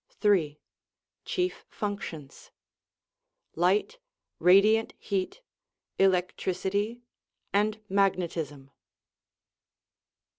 3. Chief Functions': Light, radiant heat, electricity, and magnetism.